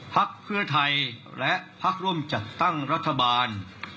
พักเพื่อไทยและพักร่วมจัดตั้งรัฐบาล